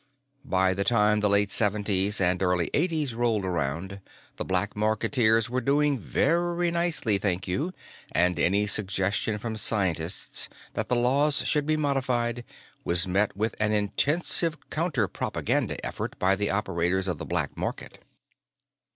By the time the late Seventies and early Eighties rolled around, the black marketeers were doing very nicely, thank you, and any suggestion from scientists that the laws should be modified was met with an intensive counterpropaganda effort by the operators of the black market.